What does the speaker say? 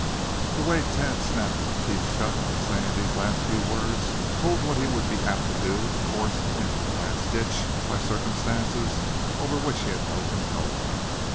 The way Thad snapped his teeth shut when saying those last few words told what he would be apt to do if forced into the last ditch by circumstances over which he had no control.